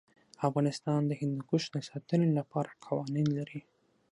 افغانستان د هندوکش د ساتنې لپاره قوانین لري.